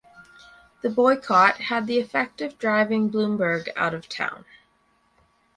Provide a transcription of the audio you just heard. The boycott had the effect of driving Blumberg out of town.